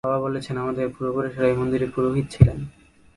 বাবা বলেছেন, আমাদের পূর্বপুরুষেরা এই মন্দিরে পুরোহিত ছিলেন।